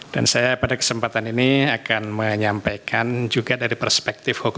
dan saya pada kesempatan ini akan menyampaikan juga dari perspektif hukum